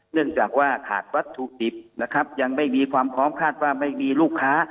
เนื่องจากว่าขาดวัตถุดิบนะครับยังไม่มีความพร้อมคาดว่าไม่มีลูกค้า